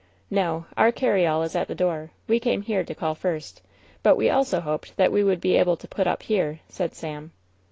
"No. Our carryall is at the door. We came here to call first, but we also hoped that we would be able to put up here," said Sam.